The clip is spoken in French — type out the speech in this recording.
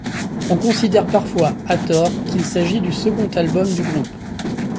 On considère parfois, à tort, qu'il s'agit du second album du groupe.